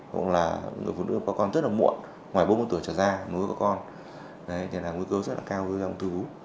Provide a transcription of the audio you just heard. ví dụ như phụ nữ có con rất là muộn ngoài bốn mươi tuổi trở ra nối với con thế là nguy cơ rất là cao hơn ông thư vú